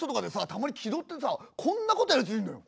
たまに気取ってさこんなことやるやついんのよ。